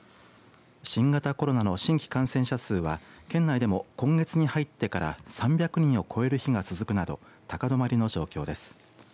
新型コロナの新規感染者数は県内でも、今月に入ってから３００人を超える日が続くなど高止まりの状況です。